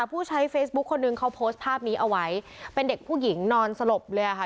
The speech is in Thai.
ผู้ใช้เฟซบุ๊คคนนึงเขาโพสต์ภาพนี้เอาไว้เป็นเด็กผู้หญิงนอนสลบเลยค่ะ